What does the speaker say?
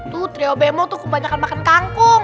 tuh trio bemo tuh kebanyakan makan kangkung